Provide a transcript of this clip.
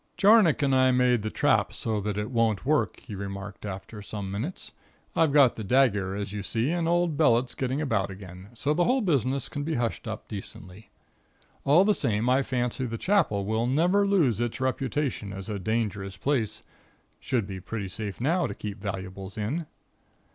"Jarnock and I made the trap so that it won't work," he remarked after a few moments. "I've got the dagger, as you see, and old Bellett's getting about again, so that the whole business can be hushed up, decently. All the same I fancy the Chapel will never lose its reputation as a dangerous place. Should be pretty safe now to keep valuables in."